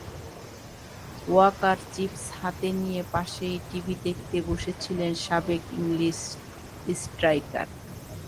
Waker chips হাতে নিয়ে পাশেই টিভি দেখতে বসেছিলেন সাবেক ইংলিশ স্ট্রাইকার।